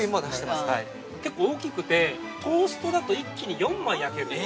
◆結構大きくて、トーストだと、一気に４枚焼ける。